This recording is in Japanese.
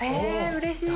うれしい。